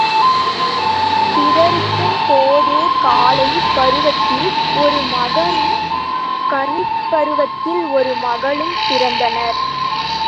பிறக்கும் போதே காளைப் பருவத்தில் ஒரு மகனும் கன்னிப்பருவத்தில் ஒரு மகளும் பிறந்தனர்.